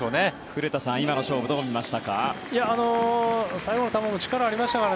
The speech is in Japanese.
古田さん、今の勝負どう見ましたか。